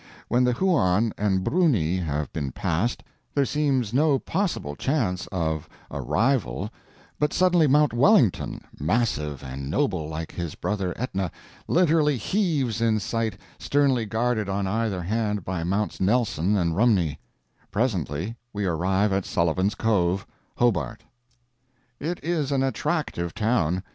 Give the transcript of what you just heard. When the Huon and Bruni have been passed, there seems no possible chance of a rival; but suddenly Mount Wellington, massive and noble like his brother Etna, literally heaves in sight, sternly guarded on either hand by Mounts Nelson and Rumney; presently we arrive at Sullivan's Cove Hobart! It is an attractive town.